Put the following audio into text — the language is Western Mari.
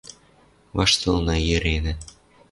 Ваштылына, йӹренӓ.